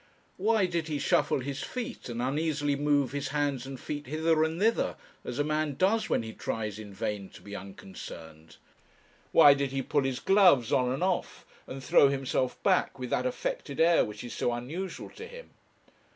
Why did he shuffle his feet, and uneasily move his hands and feet hither and thither, as a man does when he tries in vain to be unconcerned? Why did he pull his gloves on and off, and throw himself back with that affected air which is so unusual to him?